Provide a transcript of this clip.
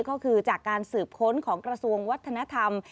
ก็คือจากการสืบค้นของกระทรวงวัฒนธรรม